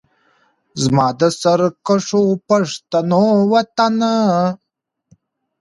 زما د سرکښو پښتنو وطنه